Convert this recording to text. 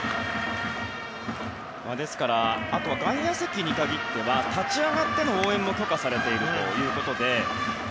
あとは外野席に限っては立ち上がっての応援も許可されているということで。